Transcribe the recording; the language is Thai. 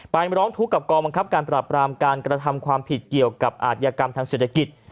มาร้องทุกข์กับกองบังคับการปราบรามการกระทำความผิดเกี่ยวกับอาทยากรรมทางเศรษฐกิจ